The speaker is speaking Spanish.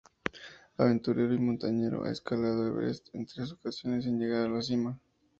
Aventurero y montañero, ha escalado Everest en tres ocasiones, sin llegar a la cima.